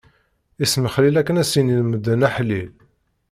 Ismexlil akken ad s-inin medden: aḥlil!